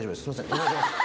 お願いします。